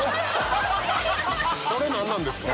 これ何なんですか？